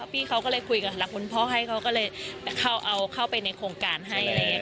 พี่เขาก็เลยคุยกับหลักคุณพ่อให้เขาก็เลยเอาเข้าไปในโครงการให้อะไรอย่างนี้